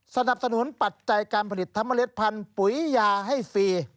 สนับสนุนปัจจัยการผลิตทำเล็ดพันธุ์ปุ๋ยยาให้ฟรี